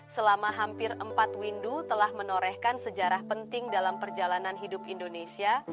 selama hampir empat windu telah menorehkan sejarah penting dalam perjalanan hidup indonesia